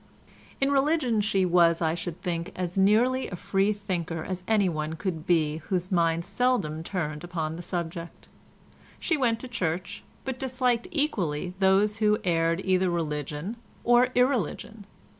In religion she was, I should think, as nearly a freethinker as anyone could be whose mind seldom turned upon the subject. She went to church, but disliked equally those who aired either religion or irreligion.